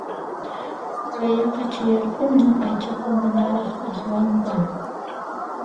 Murayaqa chayarqunñan aychaqa manaraq aswanqa